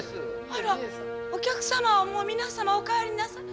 あらお客様はもう皆様お帰りなさい。